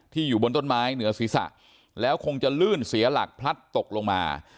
อยู่บนต้นไม้เหนือศีรษะแล้วคงจะลื่นเสียหลักพลัดตกลงมา